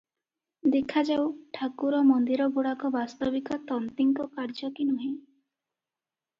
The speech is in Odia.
ଦେଖାଯାଉ, ଠାକୁର ମନ୍ଦିରଗୁଡ଼ାକ ବାସ୍ତବିକ ତନ୍ତୀଙ୍କ କାର୍ଯ୍ୟକି ନୁହେଁ ।